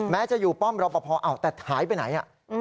แม้จะอยู่ป้อมอบประพอมแต่หายไปไหน